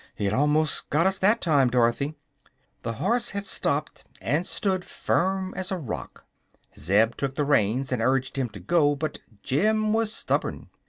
"It almost got us that time, Dorothy." The horse had stopped short, and stood firm as a rock. Zeb shook the reins and urged him to go, but Jim was stubborn.